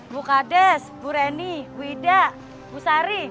bu kades bu reni bu ida bu sari